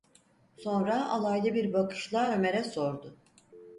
Sonra alaylı bir bakışla Ömer’e sordu: